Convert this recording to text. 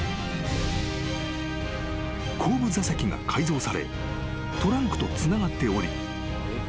［後部座席が改造されトランクとつながっており］